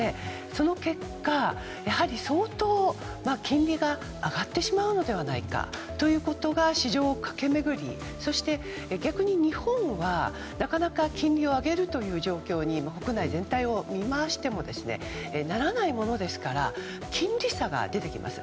その結果、相当金利が上がってしまうのではないかということが市場を駆け巡り逆に、日本はなかなか金利を上げるという状況に国内全体を見回してもならないものですから金利差が出てきます。